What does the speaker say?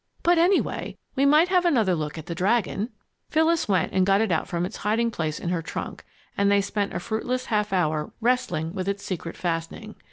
"But anyway, we might have another look at the dragon." Phyllis went and got it out from its hiding place in her trunk, and they spent a fruitless half hour wrestling with its secret fastening.